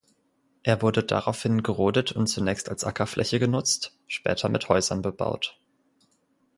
Er wurde daraufhin gerodet und zunächst als Ackerfläche genutzt, später mit Häusern bebaut.